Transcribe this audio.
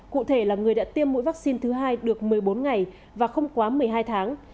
cụ thể là người đã tiêm mũi vaccine thứ hai được một mươi bốn ngày và không quá một mươi hai tháng